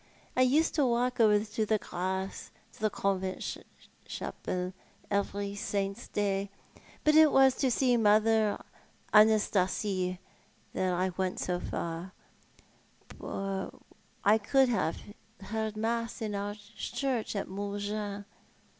I used to walk over to Grasse to the convent chapel every Saint's Day ; but it was to see Mother Anastasie that I went so far, for I could have heard mass in our church at Mougins.